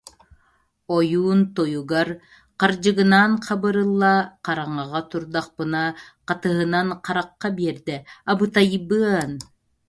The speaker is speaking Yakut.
Ойуун тойугар: «Хардьыгынаан Хабырылла хараҥаҕа турдахпына хатыһынан харахха биэрдэ, абытайбыан